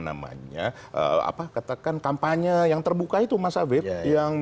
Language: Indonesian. namanya apa katakan kampanye yang terbuka itu masa web yang